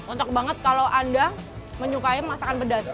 untuk banget kalau anda menyukai masakan pedas